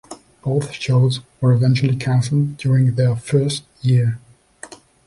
Both shows were eventually cancelled during their first year.